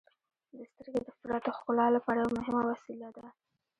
• سترګې د فطرت ښکلا لپاره یوه مهمه وسیله ده.